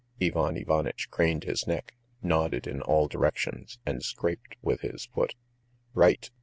Ivan Ivanitch craned his neck, nodded in all directions, and scraped with his foot. "Right.